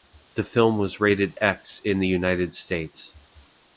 The film was rated X in the United States.